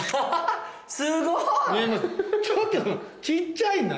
すごい。